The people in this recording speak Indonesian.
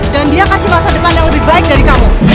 dan dia kasih masa depan yang lebih baik dari kamu